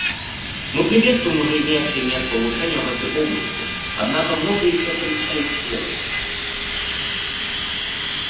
Мы приветствуем уже имевшие место улучшения в этой области, однако многое еще предстоит сделать.